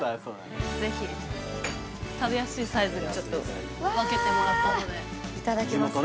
ぜひ食べやすいサイズにちょっと分けてもらったのでいただきます